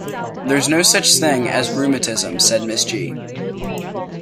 "There is no such thing as rheumatism," said Miss G.